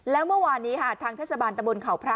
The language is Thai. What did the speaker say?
แล้วเมื่อวานนี้ค่ะทางเทศบาลตะบนเขาพระ